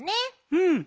うん。